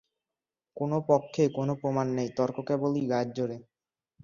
কোনো পক্ষে কোনো প্রমাণ নাই, তর্ক কেবলই গায়ের জোরে।